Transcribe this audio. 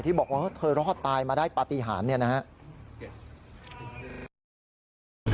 บอกว่าเธอรอดตายมาได้ปฏิหารเนี่ยนะครับ